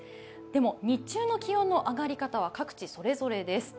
でも日中の気温の上がり方は各地それぞれです。